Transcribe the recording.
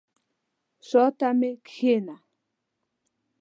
شاته مي کښېنه !